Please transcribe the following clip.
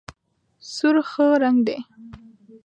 سور ښه رنګ دی.